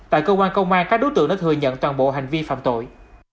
tại cơ quan công an các đối tượng đã thừa nhận toàn bộ hành vi phạm tội